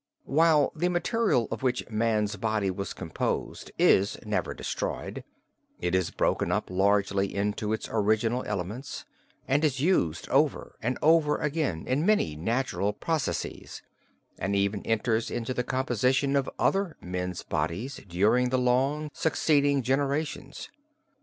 While the material of which man's body was composed is never destroyed, it is broken up largely into its original elements and is used over and over again in many natural processes, and even enters into the composition of other men's bodies during the long succeeding generations.